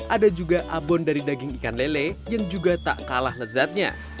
ada juga abon dari daging ikan lele yang juga tak kalah lezatnya